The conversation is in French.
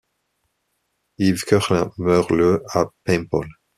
Yves Koechlin meurt le à Paimpol.